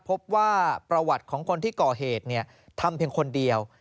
พบว่าประวัติของคนที่ก่อเหตุทำเพียงคนเดียว